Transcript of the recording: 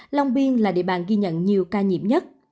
long biên là địa bàn ghi nhận nhiều ca nhiễm nhất